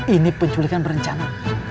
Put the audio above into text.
ini penculikan berencana